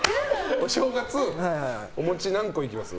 お正月、お餅何個いきます？